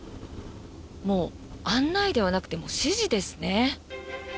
もう案内ではなくて指示ですね。